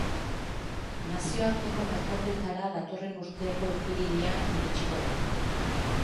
Nazioarteko merkatuetara datorren urteko apirilean iritsiko da.